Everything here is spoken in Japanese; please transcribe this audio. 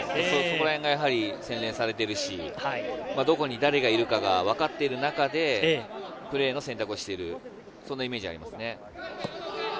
そこらへんが洗練されているし、どこに誰がいるかが分かっている中で、プレーの選択をしている、そんなイメージがありますね。